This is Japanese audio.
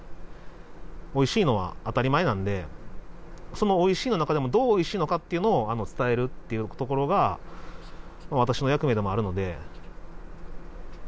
おいしいのは当たり前なのでそのおいしいの中でもどうおいしいのかっていうのを伝えるっていうところが私の役目でもあるので。